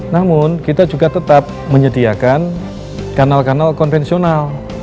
namun kita juga tetap menyediakan kanal kanal konvensional